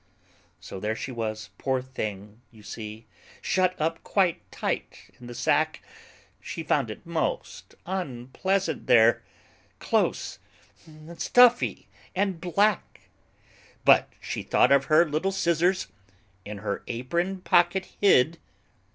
So there she was, poor thing, you see, Shut up quite tight in the sack; She found it most unpleasant there, Close and stuffy and black. But she thought of her little scissors, In her apron pocket hid.